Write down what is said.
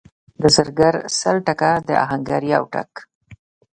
د زرګر سل ټکه، د اهنګر یو ټک.